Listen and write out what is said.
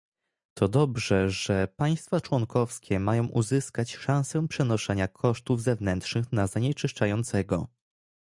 To dobrze, że państwa członkowskie mają uzyskać szansę przenoszenia kosztów zewnętrznych na zanieczyszczającego